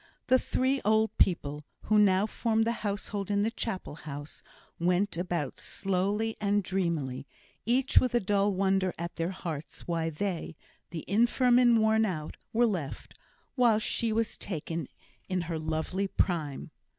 The three old people, who now formed the household in the Chapel house, went about slowly and dreamily, each with a dull wonder at their hearts why they, the infirm and worn out, were left, while she was taken in her lovely prime.